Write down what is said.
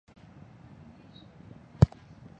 他还任第五届全国政协委员。